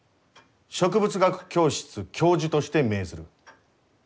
植物学教室教授として命ずる。